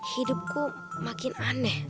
hidupku makin aneh